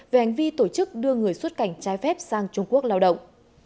về hành vi tổ chức đưa người xuất cảnh trái phép sang trung quốc lao động